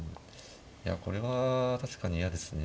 いやこれは確かに嫌ですね。